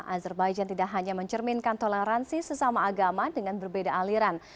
azerbaijan tidak hanya mencerminkan toleransi sesama agama dengan berbeda aliran